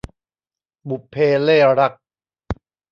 บุพเพเล่ห์รัก